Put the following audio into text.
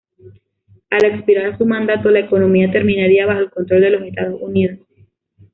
Al expirar su mandato, la economía terminaría bajo el control de los Estados Unidos.